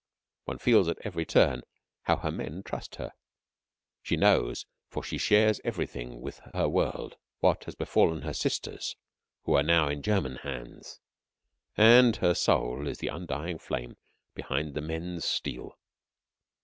One feels at every turn how her men trust her. She knows, for she shares everything with her world, what has befallen her sisters who are now in German hands, and her soul is the undying flame behind the men's steel.